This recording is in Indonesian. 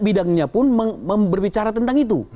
bidangnya pun berbicara tentang itu